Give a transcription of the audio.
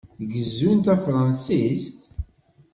Gezzun tafṛensist?